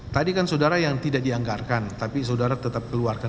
tadi kan saudara yang tidak dianggarkan tapi saudara tetap keluarkan